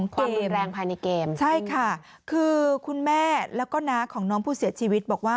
ฟังเสียงคุณแม่และก็น้องที่เสียชีวิตค่ะ